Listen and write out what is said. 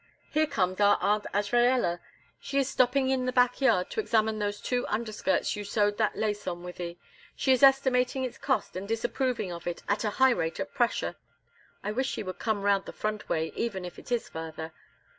"Here comes our Aunt Azraella. She is stopping in the back yard to examine those two underskirts you sewed that lace on, Wythie. She is estimating its cost and disapproving of it at a high rate of pressure. I wish she would come around the front way, even if it is farther!